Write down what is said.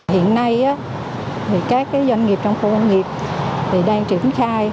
hiện nay các doanh nghiệp trong khu công nghiệp đang triển khai